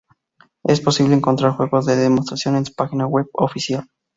Es posible encontrar juegos de demostración en su página web oficial.